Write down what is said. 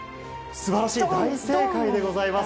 すばらしい、正解でございます。